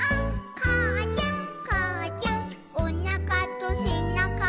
「かあちゃんかあちゃん」「おなかとせなかが」